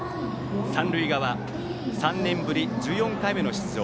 三塁側、３年ぶり１４回目の出場